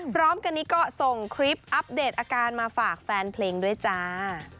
พร้อมกันนี้ก็ส่งคลิปอัปเดตอาการมาฝากแฟนเพลงด้วยจ้า